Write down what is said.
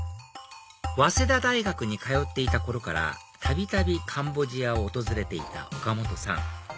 早稲田大学に通っていた頃からたびたびカンボジアを訪れていた岡本さん